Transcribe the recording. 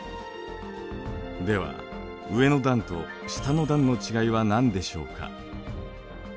では上の段と下の段の違いは何でしょうか？